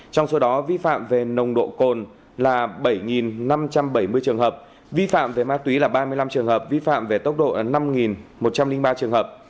trong số đó vi phạm về nồng độ cồn là bảy năm trăm bảy mươi trường hợp vi phạm về ma túy là ba mươi năm trường hợp vi phạm về tốc độ năm một trăm linh ba trường hợp